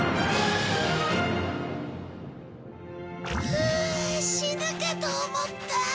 ふう死ぬかと思った。